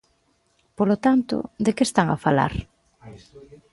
Polo tanto, ¿de que están a falar?